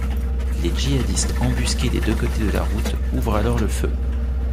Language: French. Les djihadistes embusqués des deux côtés de la route ouvrent alors le feu.